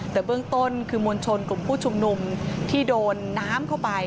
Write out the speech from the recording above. แต่เบื้องต้นคือมวลชนกลุ่มผู้ชุมนุมที่โดนน้ำเข้าไป